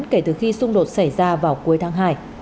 kể từ khi xung đột xảy ra vào cuối tháng hai